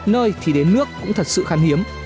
nơi thì đến nước cũng thật sự khán hiếm